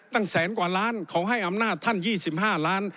แสนกว่าล้านเขาให้อำนาจท่าน๒๕ล้าน